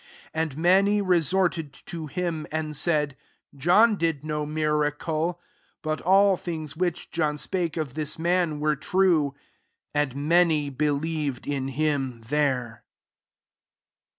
41 And many resorted to him, and said, " John did no miracle : but all things which John spake of this man were true." 42 And many believed in him there.